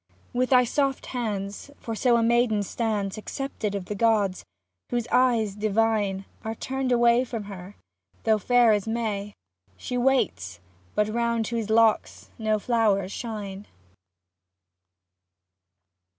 With thy soft hands, for so a maiden stands Accepted of the gods, whose eyes divine Are turned away from her — though fair as May She waits, but round whose locks no flowers shine.